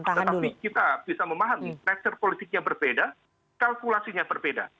tetapi kita bisa memahami natur politiknya berbeda kalkulasinya berbeda